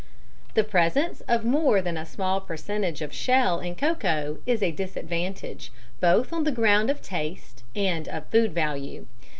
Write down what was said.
The presence of more than a small percentage of shell in cocoa is a disadvantage both on the ground of taste and of food value.